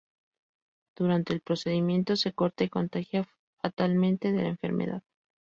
Durante el procedimiento, se corta y contagia fatalmente de la enfermedad.